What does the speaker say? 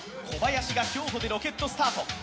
小林が競歩でロケットスタート。